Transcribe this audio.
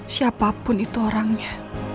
siapapun itu orangnya